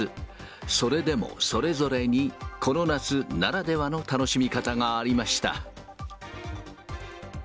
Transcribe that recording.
それでも、それぞれにこの夏ならではの楽しみ方がありました。